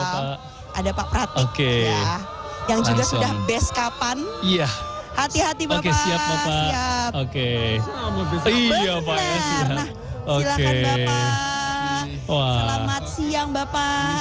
hai bapak ada pak pratik ya yang juga sudah beskapan hati hati bapak siap benar silahkan bapak selamat siang bapak